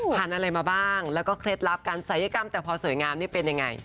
พันธุ์อะไรมาบ้างและเคล็ดลับการใส่ยกรรมแต่งพอสวยงามเป็นยังไง